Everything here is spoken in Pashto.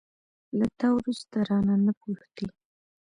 له تا وروسته، رانه، نه پوښتي